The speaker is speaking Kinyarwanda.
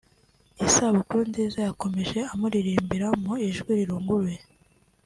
Isabukuru nziza” yakomeje amuririmbira mu ijwi riyunguruye